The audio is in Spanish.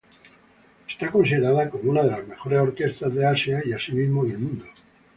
Es considerada como una de las mejores orquestas de Asia y asimismo del mundo.